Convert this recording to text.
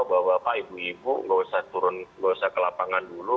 bapak bapak ibu ibu nggak usah turun nggak usah ke lapangan dulu